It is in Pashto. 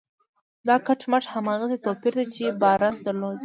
دا کټ مټ هماغسې توپير دی چې بارنس درلود.